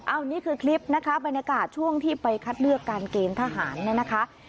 อันนี้คือคลิปนะคะบรรยากาศช่วงที่ไปคัดเลือกการเกณฑ์ทหารเนี่ยนะคะ